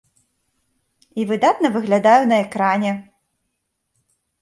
І выдатна выглядаю на экране!